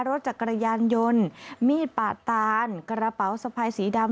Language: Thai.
รถจักรยานยนต์มีดปาดตานกระเป๋าสะพายสีดำ